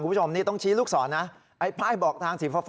คุณผู้ชมนี่ต้องชี้ลูกศรนะไอ้ป้ายบอกทางสีฟ้า